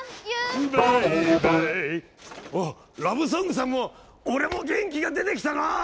あラブソングさんも俺も元気が出てきたなぁ！